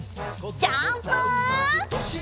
ジャンプ！